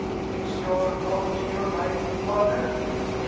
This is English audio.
"Is your coffee to your liking, Father?"